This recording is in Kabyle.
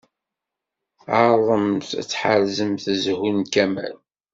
Eɛṛeḍemt ad tḥerzemt zhu n Kamal.